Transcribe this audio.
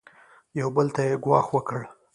یو بل ته یې ګواښ وکړ.